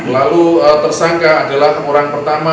lalu tersangka adalah orang pertama